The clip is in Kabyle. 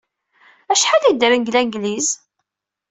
Acḥal ay ddren deg Langliz?